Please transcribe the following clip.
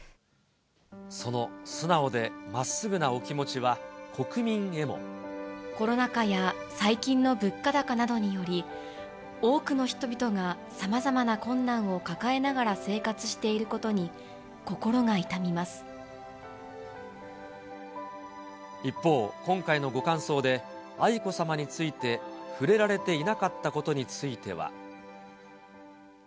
その素直でまっすぐなお気持コロナ禍や最近の物価高などにより、多くの人々がさまざまな困難を抱えながら生活していることに心が一方、今回のご感想で、愛子さまについて触れられていなかったことについては。